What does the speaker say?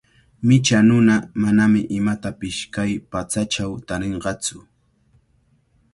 Micha nuna manami imatapish kay patsachaw tarinqatsu.